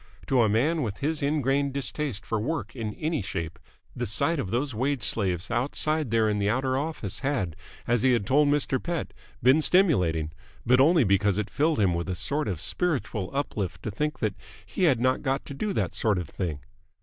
To a man with his ingrained distaste for work in any shape the sight of those wage slaves outside there in the outer office had, as he had told Mr. Pett, been stimulating: but only because it filled him with a sort of spiritual uplift to think that he had not got to do that sort of thing.